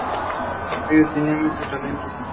Ellos tenían mucho talento.